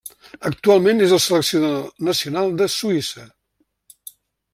Actualment, és el seleccionador nacional de Suïssa.